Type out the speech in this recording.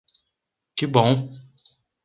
Que bom!